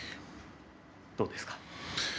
どうですか？